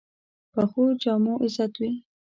پخو جامو عزت وي